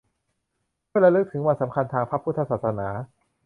เพื่อระลึกถึงวันสำคัญทางพระพุทธศาสนา